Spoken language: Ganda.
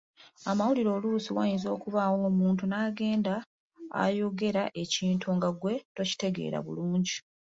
Amawulire oluusi wayinza okubaawo omuntu n’agenda ayogera ekintu nga ggwe tokitegeera bulungi.